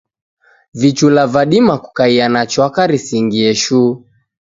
Vichula vadima kukaia na chwaka risingie shuu.